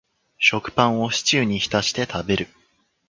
食パンをシチューに浸して食べる